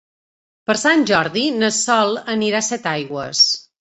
Per Sant Jordi na Sol anirà a Setaigües.